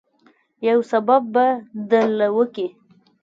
يو سبب به درله وکي.